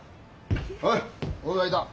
おいお祝いだ。